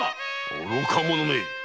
愚か者め！